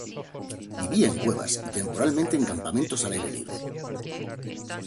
Vivía en cuevas y temporalmente en campamentos al aire libre.